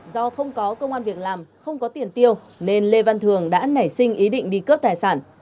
do không có công an việc làm không có tiền tiêu nên lê văn thường đã nảy sinh ý định đi cướp tài sản